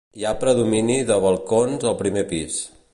Hi ha predomini de balcons al primer pis.